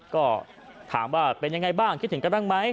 ก็ถามว่าเป็นยังไงบ้างคิดถึงกันบ้างไหม